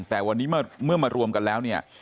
แต่วันนี้เมื่อมารวมกันแล้วเนี่ย